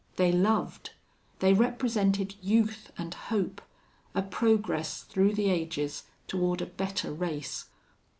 They loved. They represented youth and hope a progress through the ages toward a better race.